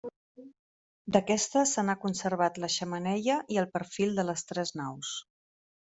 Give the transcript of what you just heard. D'aquesta se n'ha conservat la xemeneia i el perfil de les tres naus.